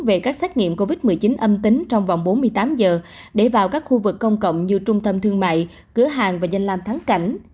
về các xét nghiệm covid một mươi chín âm tính trong vòng bốn mươi tám giờ để vào các khu vực công cộng như trung tâm thương mại cửa hàng và danh lam thắng cảnh